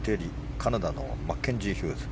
カナダのマッケンジー・ヒューズ。